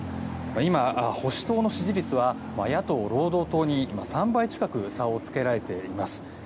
今、保守党の支持率は野党・労働党に３倍近く差をつけられています。